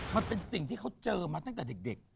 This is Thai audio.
มันเป็นสิ่งที่เขาเจอมาตั้งแต่เด็ก